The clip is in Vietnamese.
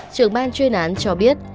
trưởng ban chuyên án cho biết